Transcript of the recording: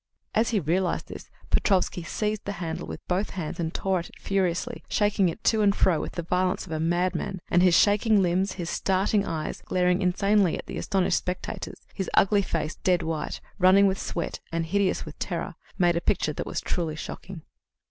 As he realized this, Petrofsky seized the handle with both hands and tore at it furiously, shaking it to and fro with the violence of a madman, and his shaking limbs, his starting eyes, glaring insanely at the astonished spectators, his ugly face, dead white, running with sweat and hideous with terror, made a picture that was truly shocking.